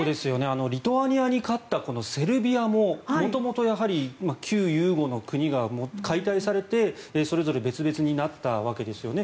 リトアニアに勝ったセルビアも元々、旧ユーゴの国が解体されてそれぞれ別々になったわけですよね。